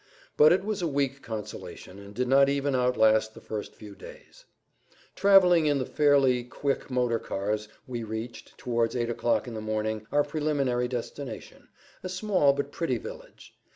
But it was a weak consolation, and did not even outlast the first few days. Traveling in the fairly quick motor cars we reached, towards 8 o'clock in the morning, our preliminary destination, a small but pretty village.